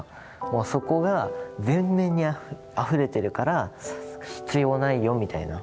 そこが全面にあふれてるから必要ないよみたいな。